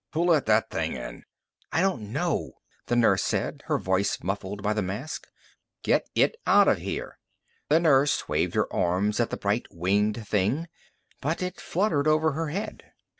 "Who let that thing in?" "I don't know," the nurse said, her voice muffled by the mask. "Get it out of here." The nurse waved her arms at the bright winged thing, but it fluttered over her head.